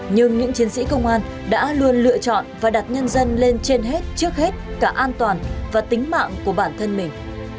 nhưng những chiến sĩ công an đã luôn lựa chọn và đặt nhân dân lên trên hết trước hết cả an toàn và tính mạng của bản thân mình